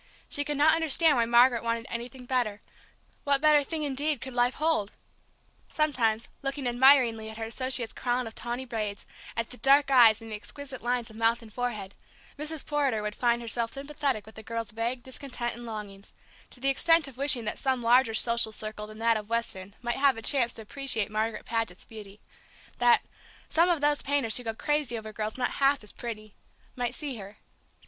She could not understand why Margaret wanted anything better; what better thing indeed could life hold! Sometimes, looking admiringly at her associate's crown of tawny braids, at the dark eyes and the exquisite lines of mouth and forehead, Mrs. Porter would find herself sympathetic with the girl's vague discontent and longings, to the extent of wishing that some larger social circle than that of Weston might have a chance to appreciate Margaret Paget's beauty, that "some of those painters who go crazy over girls not half as pretty" might see her.